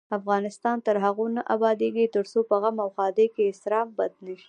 افغانستان تر هغو نه ابادیږي، ترڅو په غم او ښادۍ کې اسراف بند نشي.